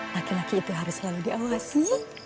laki laki itu harus selalu diawasi